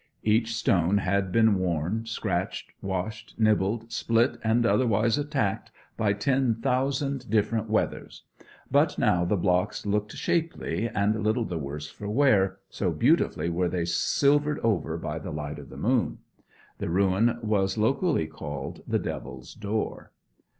Each stone had been worn, scratched, washed, nibbled, split, and otherwise attacked by ten thousand different weathers; but now the blocks looked shapely and little the worse for wear, so beautifully were they silvered over by the light of the moon. The ruin was locally called the Devil's Door.